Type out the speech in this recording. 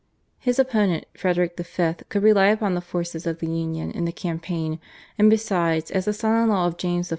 His opponent Frederick V. could rely upon the forces of the /Union/ in the campaign, and besides, as the son in law of James I.